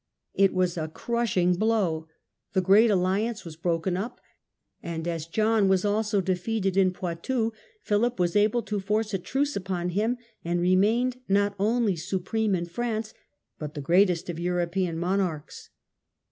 It was a crushing The battle of blow. The great alliance was broken up, Bouvines. j^^ ^ JqJ^j^ ^^ ^i^ defeated in Poitou, Philip was able to force a truce upon him, and remained not only supreme in France, but the greatest of European monarchs.